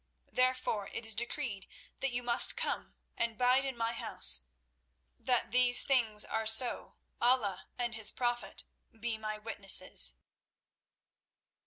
Therefore it is decreed that you must come and bide in my house. That these things are so, Allah and His Prophet be my witnesses."